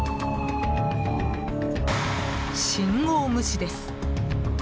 信号無視です。